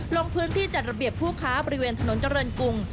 ลงพื้นที่จัดระเบียบผู้ค้าบริเวณถนนเจริญกรุง